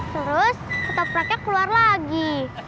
terus tetap raknya keluar lagi